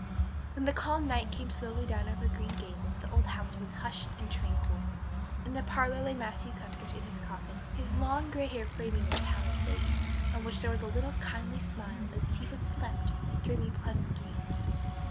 When the calm night came softly down over Green Gables the old house was hushed and tranquil. In the parlor lay Matthew Cuthbert in his coffin, his long gray hair framing his placid face on which there was a little kindly smile as if he but slept, dreaming pleasant dreams.